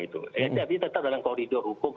tapi tetap dalam koridor hukum